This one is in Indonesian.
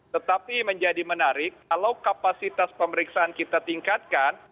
tetapi menjadi menarik kalau kapasitas pemeriksaan kita tingkatkan